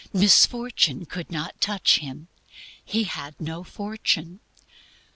Misfortune could not reach Him; He had no fortune.